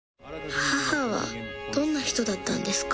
母はどんな人だったんですか？